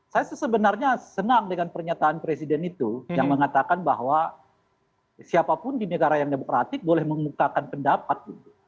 saya sebenarnya senang dengan pernyataan presiden itu yang mengatakan bahwa siapapun di negara yang demokratik boleh mengukakan pendapat